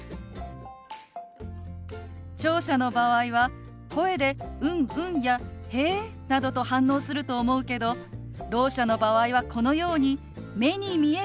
聴者の場合は声で「うんうん」や「へえ」などと反応すると思うけどろう者の場合はこのように目に見える意思表示をすることが大切なのよ。